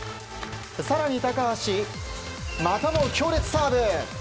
更に高橋、またも強烈サーブ。